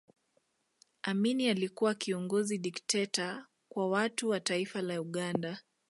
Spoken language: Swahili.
amini alikuwa kiongozi dikteta Kwa watu wa taifa la Uganda